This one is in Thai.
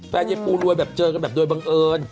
แฟนพี่ปูรวยเจอกันแบบโดยบังเอิญ